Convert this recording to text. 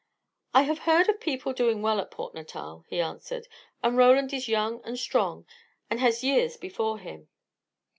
"I have heard of people doing well at Port Natal," he answered; "and Roland is young and strong, and has years before him."